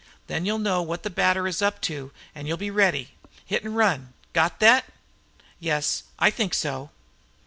Then you'll know what the batter is up to an' you'll be ready. Hit an' run. Got thet?" "Yes, I think so."